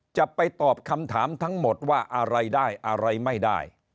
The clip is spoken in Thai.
จะไปตอบคำถามทั้งหมดว่าอะไรได้อะไรไม่ได้